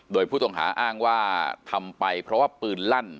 โดยผู้ต้องหาอ้างว่าทำไปเพราะว่าปืนลั่น